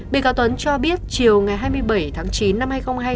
bị cáo tuấn cho biết chiều ngày hai mươi bảy tháng chín năm hai nghìn hai mươi ba